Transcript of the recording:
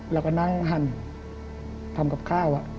เราก็นั่งหันทำกับข้าว